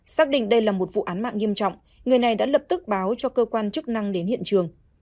xác định đây là một vụ án mạng nghiêm trọng người này đã lập tức báo cho cơ quan chức năng đến hiện trường